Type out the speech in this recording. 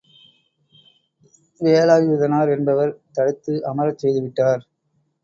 வேலாயுதனார் என்பவர் தடுத்து அமரச் செய்துவிட்டார்.